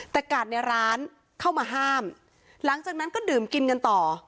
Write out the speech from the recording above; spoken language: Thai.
แต่กาดในร้านเข้ามาห้ามหลังจากนั้นก็ดื่มกินกันต่อ